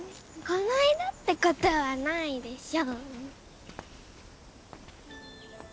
こないだってことはないでしょ。